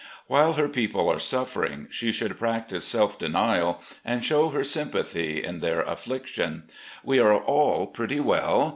While her people are suffering, she should practise self denial and show her sympathy in their affliction. We are all pretty well.